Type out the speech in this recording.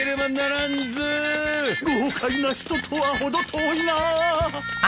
豪快な人とは程遠いな。